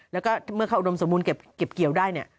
แล้วก็เมื่อเขาอุดมสมบูรณเก็บเกี่ยวได้เนี่ย